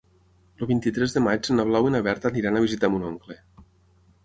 El vint-i-tres de maig na Blau i na Berta iran a visitar mon oncle.